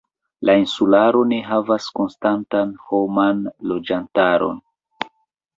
La insularo ne havas konstantan homan loĝantaron.